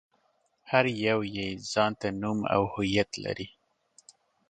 هر يو يې ځان ته نوم او هويت لري.